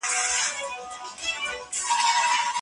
تاوان د سوداګرۍ یو قانوني اصل دی.